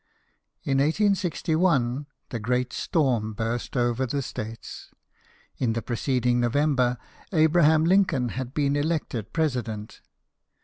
la 1 86 1, the great storm burst over the States. In the preceding November, Abra ham Lincoln had been elected President.